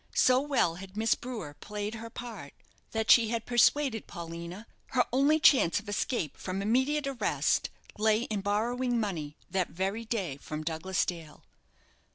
So well had Miss Brewer played her part, that she had persuaded Paulina her only chance of escape from immediate arrest lay in borrowing money, that very day, from Douglas Dale.